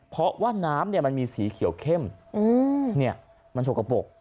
เพราะว่าน้ำเนี้ยมันมีสีเขียวเข้มอืมเนี้ยมันโฉกกระโปรก